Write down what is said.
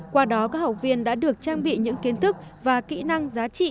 qua đó các học viên đã được trang bị những kiến thức và kỹ năng giá trị